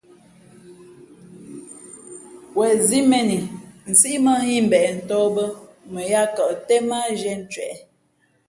Wen zí mēn i nsíʼ mᾱ nhᾱ ī mbeʼ tᾱh bᾱ mα yāā kαʼ tén mά á zhīē ncwěʼ.